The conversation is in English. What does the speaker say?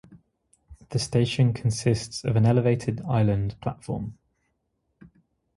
The station consists of an elevated island platform.